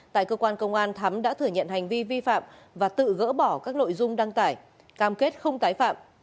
tại cơ quan công an thắm đã thừa nhận hành vi vi phạm và tự gỡ bỏ các nội dung đăng tải cam kết không tái phạm